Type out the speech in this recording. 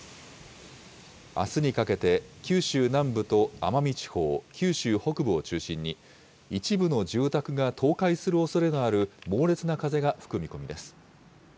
あすにかけて、九州南部と奄美地方、九州北部を中心に、一部の住宅が倒壊するおそれのある猛烈な風が吹く見込みです。